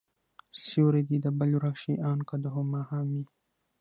سيورى دي د بل ورک شي، آن که د هما هم وي